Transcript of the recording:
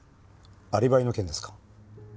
アリバイの件ですか？